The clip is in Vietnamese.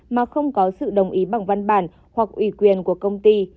mà không có sự đồng ý bằng văn bản hoặc ủy quyền của công ty